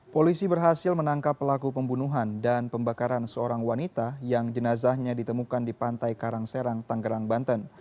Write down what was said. polisi berhasil menangkap pelaku pembunuhan dan pembakaran seorang wanita yang jenazahnya ditemukan di pantai karang serang tanggerang banten